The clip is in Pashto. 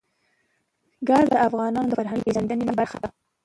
ګاز د افغانانو د فرهنګي پیژندنې برخه ده.